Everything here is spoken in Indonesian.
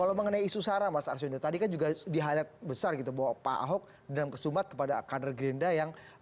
kalau mengenai isu sara mas arsionya tadi kan juga di highlight besar gitu bahwa pak ahok dalam kesumbat kepada kader gerinda yang masih ya berusaha